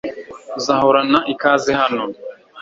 Uzahorana ikaze hano